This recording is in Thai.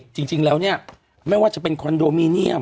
จริงแล้วเนี่ยไม่ว่าจะเป็นคอนโดมิเนียม